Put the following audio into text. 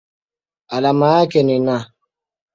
Alama yake ni Na.